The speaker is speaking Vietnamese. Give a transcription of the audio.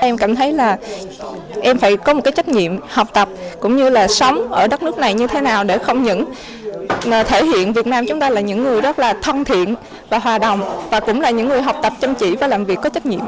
em cảm thấy là em phải có một cái trách nhiệm học tập cũng như là sống ở đất nước này như thế nào để không những thể hiện việt nam chúng ta là những người rất là thân thiện và hòa đồng và cũng là những người học tập chăm chỉ và làm việc có trách nhiệm